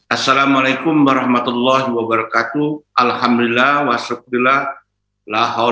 assalamualaikum warahmatullahi wabarakatuh alhamdulillah wassalamualaikum warahmatullahi wabarakatuh